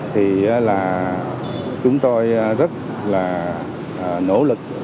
thì là chúng tôi rất là nỗ lực